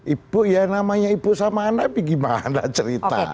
ibu ya namanya ibu sama anak gimana cerita